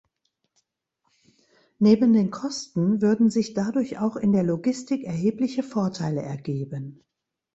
Neben den Kosten würden sich dadurch auch in der Logistik erhebliche Vorteile ergeben.